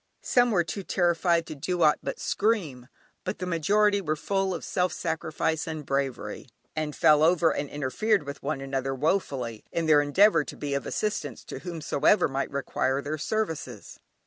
Some were too terrified to do aught but scream, but the majority were full of self sacrifice and bravery, and fell over, and interfered with one another woefully, in their endeavour to be of assistance to whomsoever might require their services.